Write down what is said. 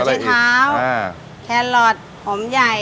หัวเช้าแฮลอทหอมใหญ่